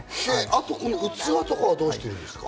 あと、器とかはどうしてるんですか？